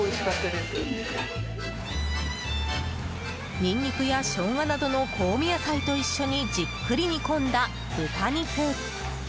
ニンニクやショウガなどの香味野菜と一緒にじっくり煮込んだ豚肉。